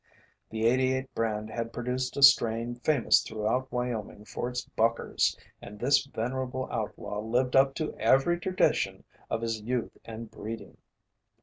The "88" brand has produced a strain famous throughout Wyoming for its buckers, and this venerable outlaw lived up to every tradition of his youth and breeding.